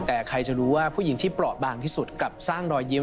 แต่ใครจะรู้ว่าผู้หญิงที่เปราะบางที่สุดกลับสร้างรอยยิ้ม